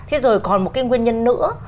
thế rồi còn một cái nguyên nhân nữa